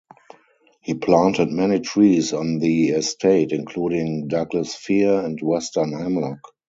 He planted many trees on the estate including Douglas Fir and Western Hemlock.